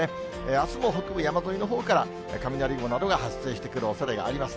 あすも北部山沿いのほうから雷雲などが発生してくる可能性があります。